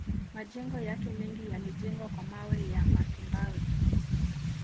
Majengo yake mengi yalijengwa kwa mawe ya matumbawe